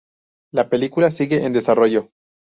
La película sigue en desarrollo.